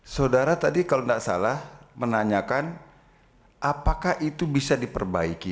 saudara tadi kalau tidak salah menanyakan apakah itu bisa diperbaiki